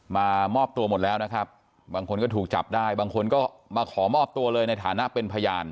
มามอบตัวหมดแล้วนะครับบางคนก็ถูกจับได้บางคนก็มาขอมอบตัวเลยในฐานะเป็นพยาน